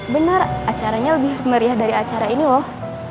benar acaranya lebih meriah dari acara ini loh